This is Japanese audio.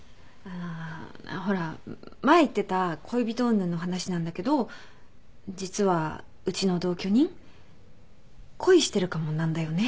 ほら前言ってた恋人うんぬんの話なんだけど実はうちの同居人恋してるかもなんだよね。